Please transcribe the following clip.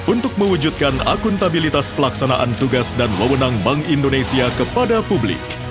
untuk mewujudkan akuntabilitas pelaksanaan tugas dan wawenang bank indonesia kepada publik